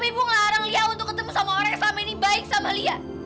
tapi bu ngelarang lia untuk ketemu sama orang yang selama ini baik sama lia